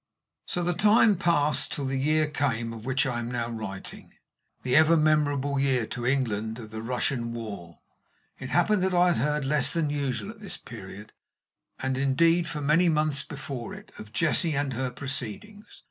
So the time passed till the year came of which I am now writing the ever memorable year, to England, of the Russian war. It happened that I had heard less than usual at this period, and indeed for many months before it, of Jessie and her proceedings.